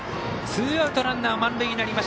ツーアウト、ランナー満塁。